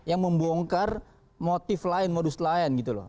yang membongkar motif lain modus lain gitu loh